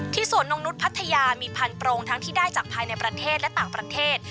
สวนนกนุษย์พัทยามีพันโปรงทั้งที่ได้จากภายในประเทศและต่างประเทศ